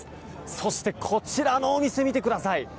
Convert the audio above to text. そして、こちらのお店見てください。